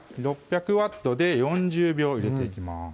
６００Ｗで４０秒入れていきます